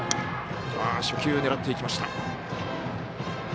初球を狙っていきました。